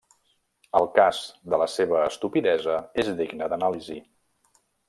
El cas de la seva estupidesa és digne d'anàlisi.